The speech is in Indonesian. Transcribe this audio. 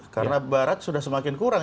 karena barat sudah semakin kurang